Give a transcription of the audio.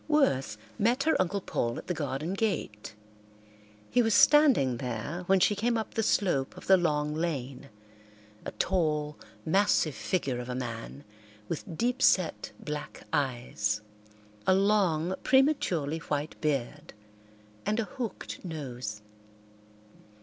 Worth met her Uncle Paul at the garden gate. He was standing there when she came up the slope of the long lane, a tall, massive figure of a man, with deep set black eyes, a long, prematurely white beard, and a hooked nose.